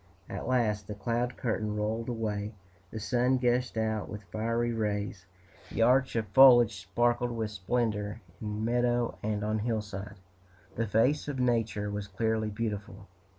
At last the cloud curtain rolled away, the sun gushed out with fiery rays, the arch of foliage sparkled with splendor in meadow and on hillside, the face of Nature was cleanly beautiful.